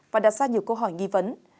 và đặt ra nhiều câu hỏi nghi vấn